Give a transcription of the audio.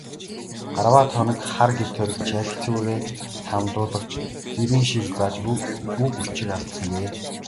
Арваад хоног хар гэрт хоригдож, аль хэцүүгээр тамлуулавч эрийн шийр зааж үг өчиг алдсангүй.